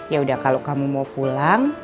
yaudah kalo kamu mau pulang